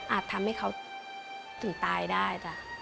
อาจทำให้เขาถึงตายได้